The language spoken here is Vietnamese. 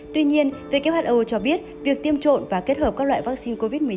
tuy nhiên who cho biết việc tiêm trộn và kết hợp các loại vaccine covid một mươi chín